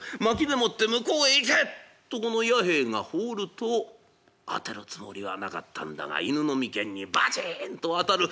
薪でもって「向こうへ行けっ！」とこの弥兵衛が放ると当てるつもりはなかったんだが犬の眉間にバチンと当たる。